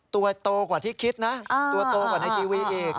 ตัวโตกว่าที่คิดนะตัวโตกว่าในทีวีอีก